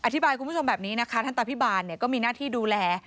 คุณผู้ชมแบบนี้นะคะท่านตาพิบาลก็มีหน้าที่ดูแล